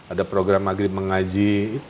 ada program maghrib mengaji